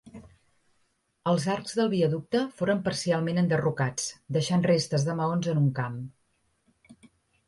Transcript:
Els arcs del viaducte foren parcialment enderrocats, deixant restes de maons en un camp.